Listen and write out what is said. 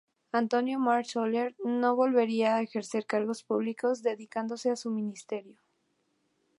Antonio Mas Oller no volvería a ejercer cargos públicos, dedicándose a su ministerio.